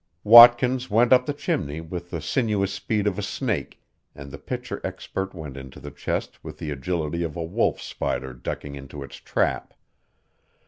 Watkins went up the chimney with the sinuous speed of a snake, and the picture expert went into the chest with the agility of a wolf spider ducking into its trap.